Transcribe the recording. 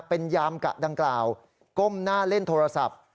เป็นยามกะดังกล่าวก้มหน้าเล่นโทรศัพท์